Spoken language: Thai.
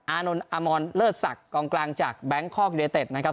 อานนท์อามอนเลอร์สักกลางกลางจากแบงค์คอร์คเดรเต็ดนะครับ